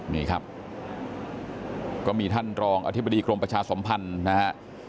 นี่ครับก็มีท่านรองอธิบดีกรมประชาสมพันธ์นะฮะ